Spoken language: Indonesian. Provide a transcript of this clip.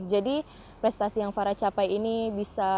jadi prestasi yang farah capai ini itu memang sangat penting